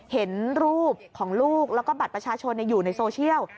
เห็นรูปของลูกแล้วก็บัตรประชาชนอยู่ในโซเชียล